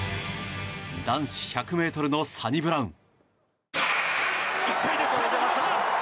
男子１００ｍのサニブラウン。